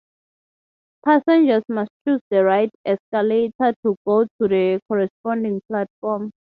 Passengers must choose the right escalator to go to the corresponding platform.